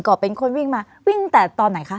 ก็เป็นคนวิ่งมาวิ่งแต่ตอนไหนคะ